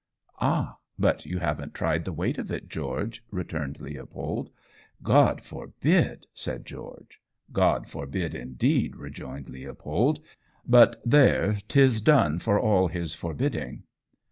"Ah, but you haven't tried the weight of it, George!" returned Leopold. "God forbid!" said George. "God forbid! indeed," rejoined Leopold; "but there 'tis done for all his forbidding!"